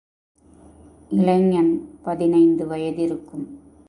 இளைஞன், பதினைந்து வயதிருக்கும்.